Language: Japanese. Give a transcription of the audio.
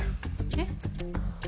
えっ？